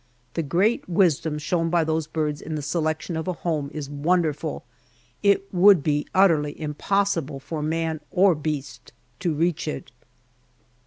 The great wisdom shown by those birds in the selection of a home is wonderful. It would be utterly impossible for man or beast to reach it.